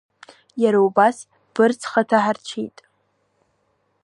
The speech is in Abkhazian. Иара убас Бырцха ҭаҳарцәит.